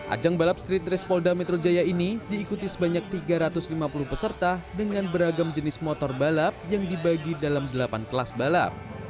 ajang balap street race polda metro jaya ini diikuti sebanyak tiga ratus lima puluh peserta dengan beragam jenis motor balap yang dibagi dalam delapan kelas balap